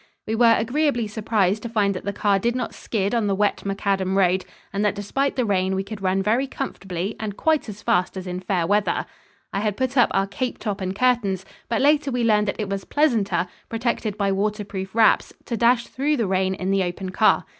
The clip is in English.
We were agreeably surprised to find that the car did not skid on the wet macadam road and that despite the rain we could run very comfortably and quite as fast as in fair weather. I had put up our cape top and curtains, but later we learned that it was pleasanter, protected by water proof wraps, to dash through the rain in the open car.